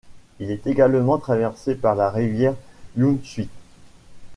Il est également traversé par la rivière You Shui.